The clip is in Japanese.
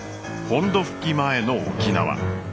本土復帰前の沖縄。